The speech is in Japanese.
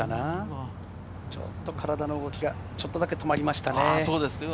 ちょっと体の動きがちょっとだけ止まりましたね。